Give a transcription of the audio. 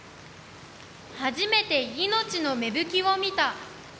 初めて命の芽吹きを見た。